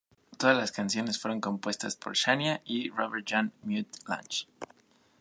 Todas las canciones fueron compuestas por Shania y Robert John "Mutt" Lange.